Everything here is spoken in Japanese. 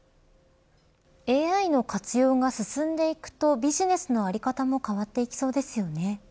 ＡＩの活用が進んでいくとビジネスの在り方も変わっていきそうですよね。